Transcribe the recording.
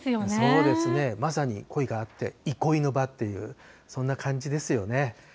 そうですね、まさにこいがあって、憩いの場っていう、そんな感じですよね。